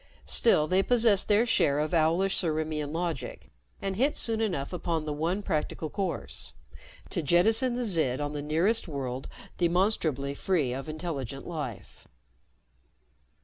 Still they possessed their share of owlish Ciriimian logic and hit soon enough upon the one practical course to jettison the Zid on the nearest world demonstrably free of intelligent life.